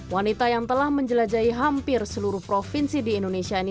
wanita yang telah menjelajahi hampir seluruh provinsi di indonesia ini